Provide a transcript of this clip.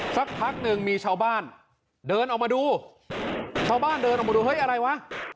สักพักหนึ่งมีชาวบ้านเดินออกมาดูชาวบ้านเดินออกมาดูเฮ้ยอะไรวะ